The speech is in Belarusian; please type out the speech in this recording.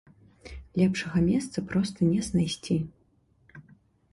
Лепшага месца проста не знайсці.